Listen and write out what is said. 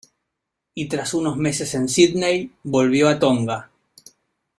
Y tras unos meses en Sídney, volvió a Tonga.